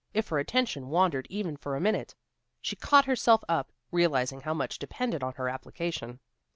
If her attention wandered even for a minute, she caught herself up, realizing how much depended on her application.